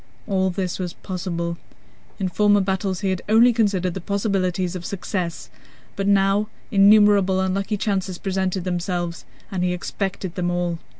All this was possible. In former battles he had only considered the possibilities of success, but now innumerable unlucky chances presented themselves, and he expected them all.